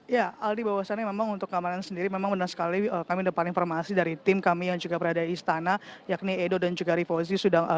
ya aldi bahwasannya memang untuk keamanan sendiri memang benar sekali kami dapat informasi dari tim kami yang juga berada di istana yakni edo dan juga rifa ozi